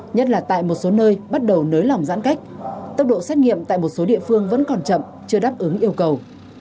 nhất là tại một số nơi bắt đầu nới lỏng giãn cách tốc độ xét nghiệm tại một số địa phương vẫn còn chậm chưa đáp ứng yêu cầu